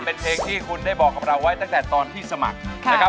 เป็นเพลงที่คุณได้บอกกับเราไว้ตั้งแต่ตอนที่สมัครนะครับ